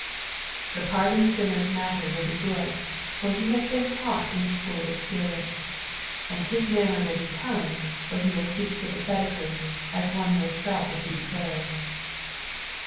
The pardoned sinner's matter will be good, for he has been taught in the school of experience, and his manner will be telling, for he will speak sympiithotically, as one who has felt what he declares.